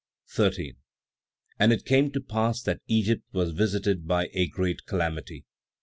13. And it came to pass that Egypt was visited by a great calamity.